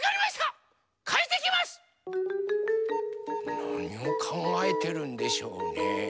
なにをかんがえてるんでしょうね？